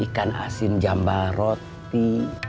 ikan asin jambal roti